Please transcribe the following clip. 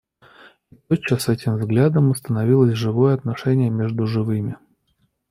И тотчас этим взглядом установилось живое отношение между живыми.